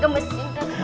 mas sekarang apa ya bu